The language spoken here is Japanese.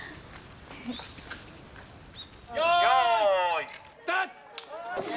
よいスタート！